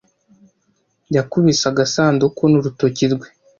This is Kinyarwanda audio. Yakubise agasanduku n'urutoki rwe.